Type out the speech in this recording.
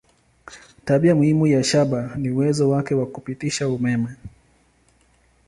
Tabia muhimu ya shaba ni uwezo wake wa kupitisha umeme.